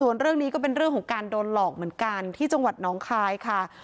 ส่วนเรื่องนี้ก็เป็นเรื่องของการโดนหลอกเหมือนกันที่จังหวัดน้องคายค่ะ